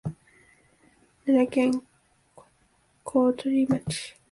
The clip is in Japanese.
奈良県高取町